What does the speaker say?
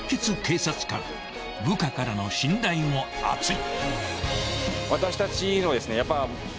［部下からの信頼も厚い］